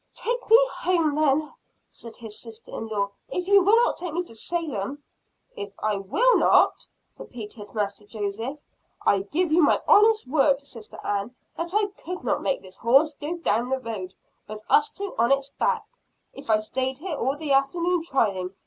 "Take me home then," said his sister in law "if you will not take me to Salem." "If I will not," repeated Master Joseph. "I give you my honest word, Sister Ann, that I could not make this horse go down the road, with us two on his back, if I stayed here all the afternoon trying.